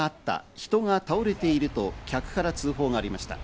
人が倒れていると客から通報がありました。